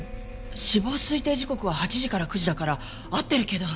死亡推定時刻は８時から９時だから合ってるけど。